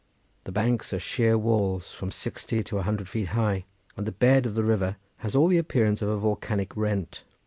The banks are sheer walls from sixty to a hundred feet high, and the bed of the river has all the appearance of a volcanic rent.